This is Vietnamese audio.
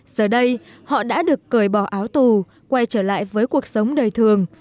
giờ đây họ đã được cởi bỏ áo tù quay trở lại với cuộc sống đời thường